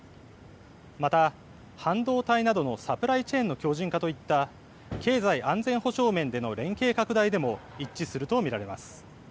また半導体などのサプライチェーンの強じん化といった経済、安全保障面での連携拡大でも一致すると見られます。